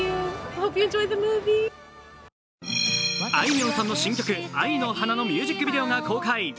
あいみょんさんの新曲「愛の花」のミュージックビデオが公開。